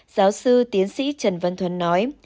giáo sư tiến sĩ trần văn thuấn nói